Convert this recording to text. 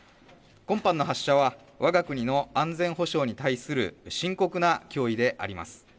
今般の発射はわが国の安全保障に対する深刻な脅威であります。